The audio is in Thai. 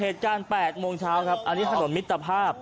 เหตุการณ์๘โมงเช้าครับอันนี้ถนนมิตรภาพ